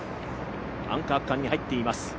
アンカー区間に入っています。